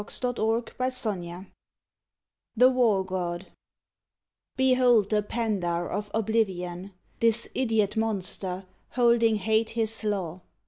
133 ON THE GREAT WAR THE WAR GOD Behold the pandar of Oblivion This idiot monster, holding hate his law!